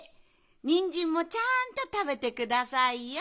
ニンジンもちゃんとたべてくださいよ。